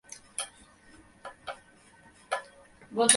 আপাতত ঘরে অতিথি উপস্থিত, সেবার আয়োজন করিতে হইবে।